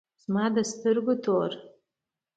زما د سترگو تور